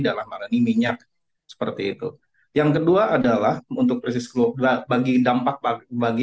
dalam mengandung minyak seperti itu yang kedua adalah untuk proses global bagi dampak bagi